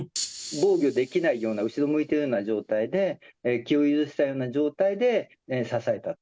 防御できないような、後ろ向いてるような状態で、気を許したような状態で刺されたと。